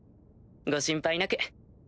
ご心配なく。